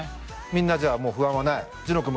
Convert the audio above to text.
みんなじゃあもう不安はない？